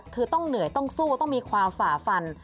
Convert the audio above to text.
คือต้องเหนื่อยต้องสู้ต้องมีความฝ่าฟัน